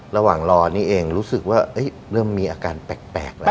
ระหว่างรอนี่เองรู้สึกว่าลืมมีอาการแปลกแปลกแหละ